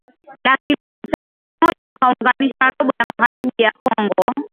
la kilometa laki moja ukaunganisha robo ya magharibi ya Kongo